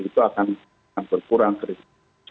itu akan berkurang kritis